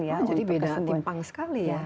jadi beda timpang sekali ya